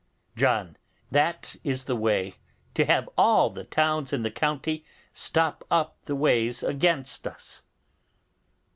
John. That is the way to have all the towns in the county stop up the ways against us.